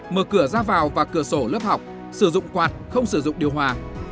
mở cửa ra vào và cửa sổ lớp học sử dụng quạt không sử dụng điều hòa